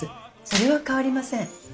それは変わりません。